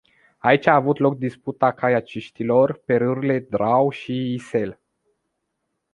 Aici a avut loc disputa kaiaciștilor, pe râurile Drau și Isel.